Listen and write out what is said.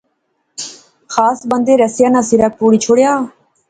خاص بندے رسیا ناں سرا پوڑی شوڑیا